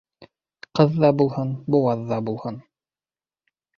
Ҡыҙ ҙа булһын, быуаҙ ҙа булһын.